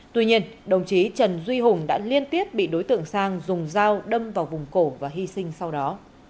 tuy nhiên đồng chí trần duy hùng đã liên tiếp bị đối tượng sang dùng dao đâm vào vùng cổ và hy sinh sau đó